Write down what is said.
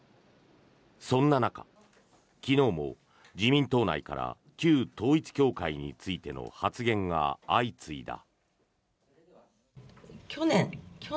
そんな中、昨日も自民党内から旧統一教会についての発言が相次いだ。